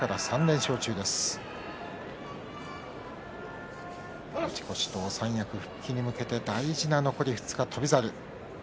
勝ち越しと三役復帰に向けて大事な２日の翔猿。